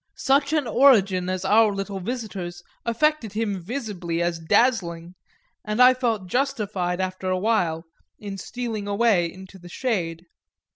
Such an origin as our little visitor's affected him visibly as dazzling, and I felt justified after a while, in stealing away into the shade.